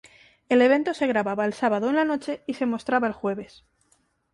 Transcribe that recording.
El evento se grabada el sábado en la noche y se mostraba el jueves.